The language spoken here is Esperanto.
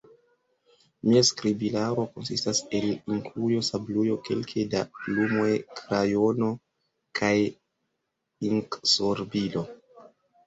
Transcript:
Mia skribilaro konsistas el inkujo, sablujo, kelke da plumoj, krajono kaj inksorbilo.